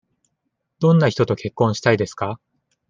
どんな人と結婚したいですか。